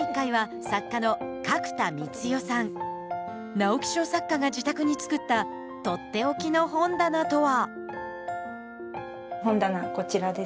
直木賞作家が自宅につくった取って置きの本棚とは？